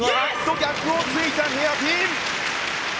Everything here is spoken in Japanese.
逆を突いた、ヘアピン。